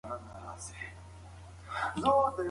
د ملکیار په سبک کې د کلمو موسیقیت ډېر اغېزمن دی.